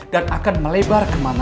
dan akan melebar kemana mana